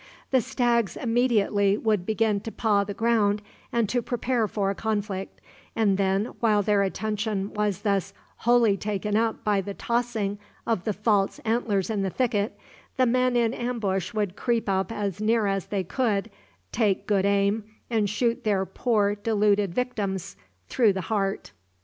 The stags immediately would begin to paw the ground and to prepare for a conflict, and then, while their attention was thus wholly taken up by the tossing of the false antlers in the thicket, the men in ambush would creep up as near as they could, take good aim, and shoot their poor deluded victims through the heart.